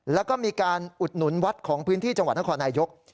แล้วก็มีการอุดหนุนวัดของพื้นที่จังหวัดนครนายก